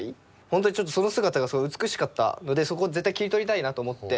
本当にちょっとその姿がすごい美しかったのでそこを絶対切り取りたいなと思って。